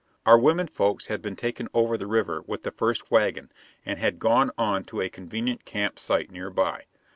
Our women folks had been taken over the river with the first wagon and had gone on to a convenient camp site nearby.